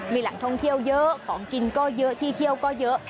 มีแหล่งท่องเที่ยวเยอะของกินก็เยอะที่เที่ยวก็เยอะ